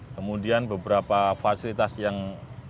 kemudian beberapa fasilitas yang